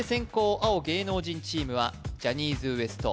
青芸能人チームはジャニーズＷＥＳＴ